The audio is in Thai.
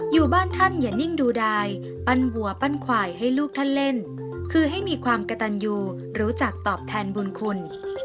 อยู่บ้านท่านอย่านิ่งดูดายปั้นวัวปั้นควายให้ลูกท่านเล่นคือให้มีความกระตันยูรู้จักตอบแทนบุญคุณ